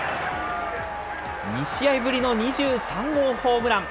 ２試合ぶりの２３号ホームラン。